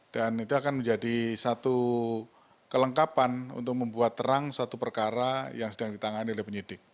dan itu akan menjadi satu kelengkapan untuk membuat terang suatu perkara yang sedang ditangani oleh penyidik